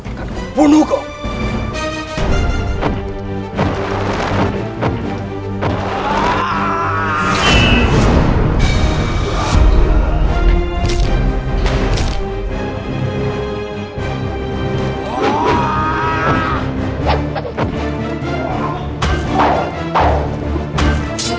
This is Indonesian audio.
akan kubunuh kau